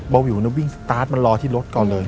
บาวิวนะวิ่งสตาร์ตมันรอที่รถก่อนเลย